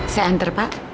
saya antar pak